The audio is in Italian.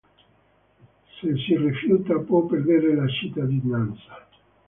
Se si rifiuta, può perdere la cittadinanza.